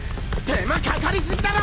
手間かかりすぎだろ！